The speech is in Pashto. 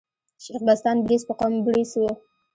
شېخ بستان برېڅ په قوم بړېڅ ؤ.